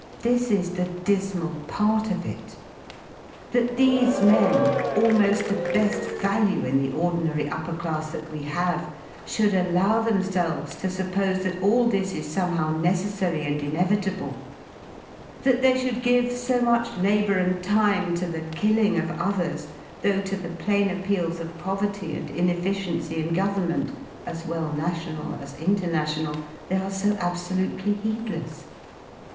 This is the dismal part of it: that these men, almo^ the be^ value in the ordinary upper class that we have, should allow themselves to suppose that all this is somehow neces sary and inevitable; that they should give so much labour and time to the killing of others, though to the plain appeals of poverty and inefficiency in government, as well national as international, they are so absolutely heedless.